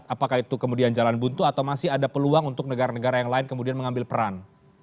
apakah itu kemudian jalan buntu atau masih ada peluang untuk negara negara yang lain kemudian mengambil peran